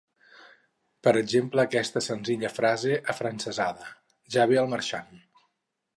Per exemple aquesta senzilla frase afrancesada: Ja ve el marxant.